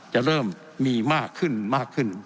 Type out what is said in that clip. จะเริ่มมีมากขึ้นมากขึ้น